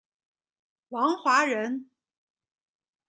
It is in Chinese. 王华人。